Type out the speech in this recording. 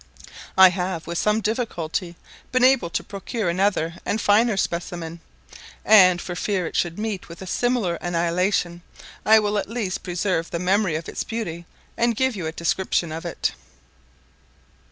I have, with some difficulty, been able to procure another and finer specimen; and, for fear it should meet with a similar annihilation, I will at least preserve the memory of its beauties, and give you a description of it.